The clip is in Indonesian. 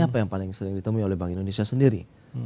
apa yang paling sering ditemui oleh bank indonesia sendiri